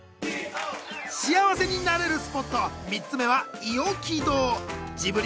幸せになれるスポット３つ目は伊尾木洞ジブリ